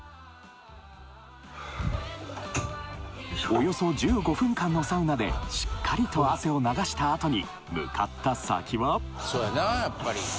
およそ１５分間のサウナでしっかりと汗を流したあとに向かった先はそやなやっぱり。